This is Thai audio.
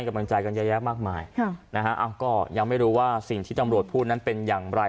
กำลังใจกันเยอะแยะมากมายก็ยังไม่รู้ว่าสิ่งที่ตำรวจพูดนั้นเป็นอย่างไร